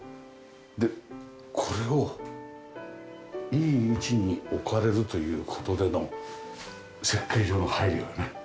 でこれをいい位置に置かれるという事での設計上の配慮ね。